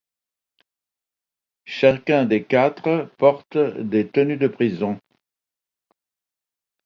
Chacun des quatre portent des tenues de prison.